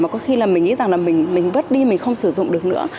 mà có khi là mình nghĩ rằng là mình vứt đi mình không sử dụng được nữa